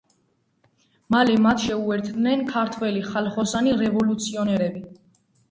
მალე მათ შეუერთდნენ ქართველი ხალხოსანი რევოლუციონერები.